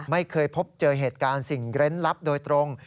ไม่เคยพบเจอเหตุการณ์สิ่งเล่นลับโดยตรง